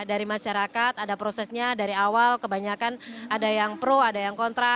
dari masyarakat ada prosesnya dari awal kebanyakan ada yang pro ada yang kontra